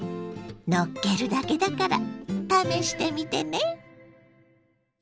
のっけるだけだから試してみてね。